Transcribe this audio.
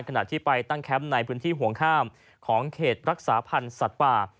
ขณะที่ไปตั้งแคมป์ในพื้นที่ห่วงห้ามของเขตรักษาพันธ์สัตว์ป่า